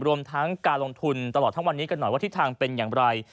รวมทั้งการลงทุนตลอดทั้งวันนี้กันหน่อยว่าทิศทางเป็นอย่างไร